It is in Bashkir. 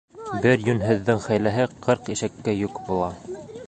Бер йүнһеҙҙең хәйләһе ҡырҡ ишәккә йөк була.